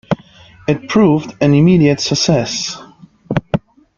It proved an immediate success.